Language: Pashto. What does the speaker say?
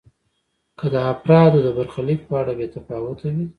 که د افرادو د برخلیک په اړه بې تفاوت وي.